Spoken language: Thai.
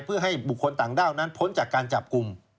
เพื่อให้บุคคลต่างด้าวนั้นพ้นจากการจับกลุ่ม